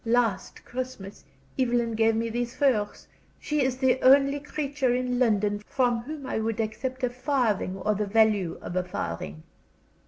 Last Christmas, Evelyn gave me these furs she is the only creature in London from whom I would accept a farthing or the value of a farthing."